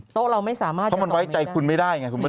เพราะมันไว้ใจคุณไม่ได้ไงคุณประดับ